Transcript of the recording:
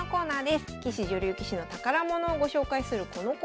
棋士女流棋士の宝物をご紹介するこのコーナー。